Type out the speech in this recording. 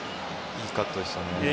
いいカットでしたね。